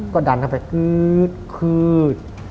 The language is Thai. ก็ดันเข้าไปคืดคืดคืด